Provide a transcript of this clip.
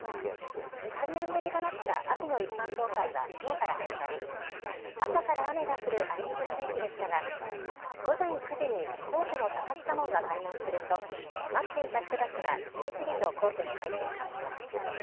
３年ぶりとなった秋の一般公開はきょうから始まり朝から雨が降るあいにくの天気でしたが、午前９時に皇居の坂下門が開門すると待っていた人たちが次々と皇居に入っていきました。